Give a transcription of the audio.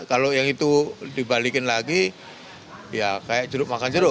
karena kalau yang itu dibalikin lagi ya kayak jeruk makan jeruk